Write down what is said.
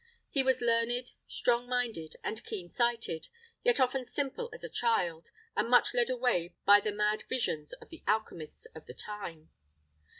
He was learned, strong minded, and keen sighted, yet often simple as a child, and much led away by the mad visions of the alchymists of the time.